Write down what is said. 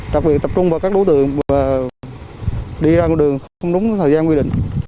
đặc biệt tập trung vào các đối tượng và đi ra đường không đúng thời gian quy định